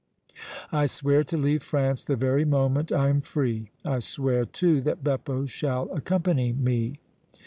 "I swear to leave France the very moment I am free! I swear, too, that Beppo shall accompany me!"